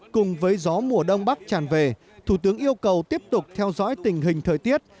cùng với gió mùa đông bắc tràn về thủ tướng yêu cầu tiếp tục theo dõi tình hình thời tiết